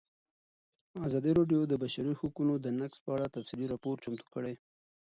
ازادي راډیو د د بشري حقونو نقض په اړه تفصیلي راپور چمتو کړی.